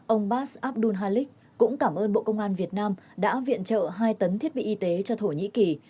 ông bas abdul halik cũng cảm ơn bộ công an việt nam đã viện trợ hai tấn thiết bị y tế cho thổ nhĩ kỳ